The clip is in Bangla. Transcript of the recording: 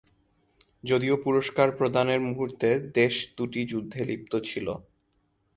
যদিও পুরস্কার প্রদানের মুহুর্তে দেশ দুটি যুদ্ধে লিপ্ত ছিল।